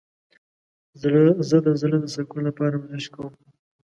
زه د زړه د سکون لپاره ورزش کوم.